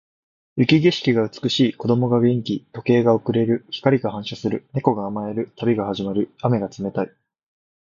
雪景色が美しい。子供が元気。時計が遅れる。光が反射する。猫が甘える。旅が始まる。雨が冷たい。